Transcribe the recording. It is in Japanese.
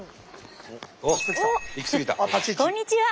こんにちは。